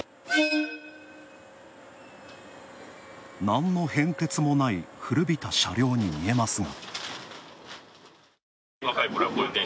なんの変哲もない古びた車両に見えますが。